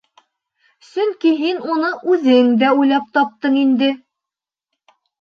— Сөнки һин уны үҙең дә уйлап таптың инде.